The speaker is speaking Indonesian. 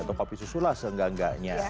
atau kopi susulah seenggak enggaknya